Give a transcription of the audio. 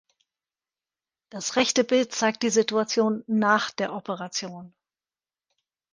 Das rechte Bild zeigt die Situation nach der Operation.